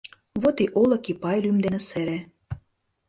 Вот и Олык Ипай лӱм дене сере.